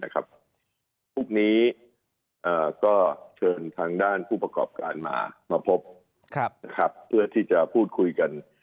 พวกนี้ก็เชิญทางด้านผู้ประกอบการมามาพบเพื่อที่จะพูดคุยกัน